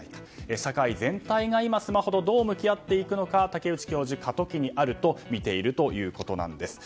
社会全体が今、スマホとどう向き合っていくのか竹内教授は過渡期にあると見ているということです。